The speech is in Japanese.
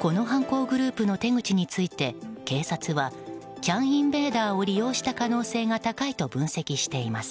この犯行グループの手口について警察はＣＡＮインベーダーを利用した可能性が高いと分析しています。